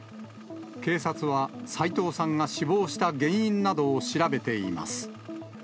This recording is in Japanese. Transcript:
警察は、斎藤さんが死亡した原因などを調べています。